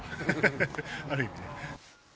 ある意味ね。